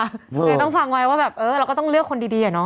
คือต้องฟังไว้ว่าแบบเออเราก็ต้องเลือกคนดีอะเนาะ